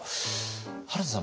原田さん